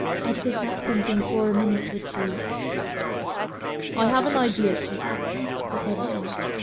Edgar sat thinking for a minute or two. "I have an idea, sheik," he said at last.